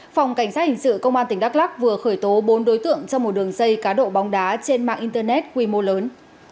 phòng cảnh sát hình sự công an tỉnh đắk lắc vừa khởi tố bốn đối tượng trong một đường dây cá độ bóng đá trên mạng internet quy mô lớn